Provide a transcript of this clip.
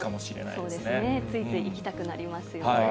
そうですね、ついつい行きたくなりますよね。